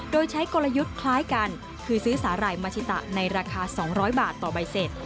โดยใช้กลยุทธ์คล้ายกันคือซื้อสาหร่ายมาชิตะในราคา๒๐๐บาทต่อใบเสร็จ